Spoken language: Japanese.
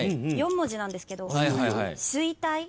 ４文字なんですけど。